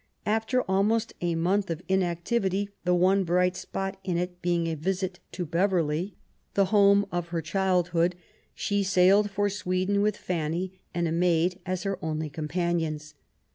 After almost a month of .inactivity, the one bright spot in it being a visit to Beverly, the home of her IMLATS DESERTION. 143 childhood^ she sailed for Sweden, with Fanny and a maid as her only companions.